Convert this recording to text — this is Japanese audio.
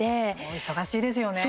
お忙しいですよね。